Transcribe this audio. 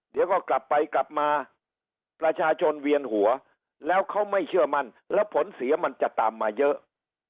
เดี๋ยวก็กลับไปกลับมาประชาชนเวียนหัวแล้วเขาไม่เชื่อมั่นแล้วผลเสียมันจะตามมาเยอะ